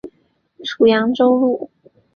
属扬州路。